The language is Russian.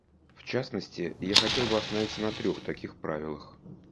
В частности, я хотел бы остановиться на трех таких правилах.